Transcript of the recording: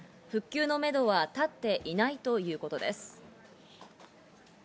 復旧のめどはたっていないということです。